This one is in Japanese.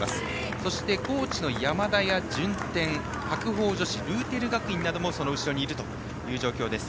そして高知の山田順天、白鵬女子ルーテル学院などもその後ろにいる状況です。